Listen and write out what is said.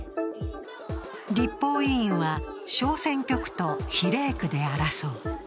立法委員は小選挙区と比例区で争う。